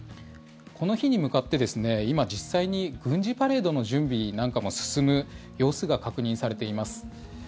この日に向かって今、実際に軍事パレードの準備なんかも進む様子が確認されています。